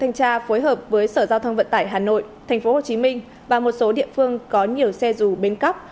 hành phố hồ chí minh và một số địa phương có nhiều xe rù bên cấp